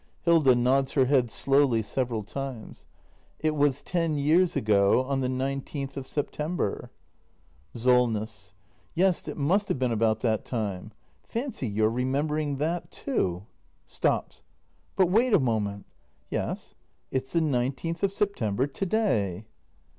Hilda. [Nods her head slowly several times.] It was ten years ago — on the 19th of September. SOLNESS. Yes, it must have been about that time. Fancy your remembering that too! [Stops.] But wait a moment ! Yes — it's the 19th of September to day.